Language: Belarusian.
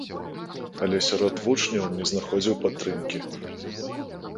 Але сярод вучняў не знаходзіў падтрымкі.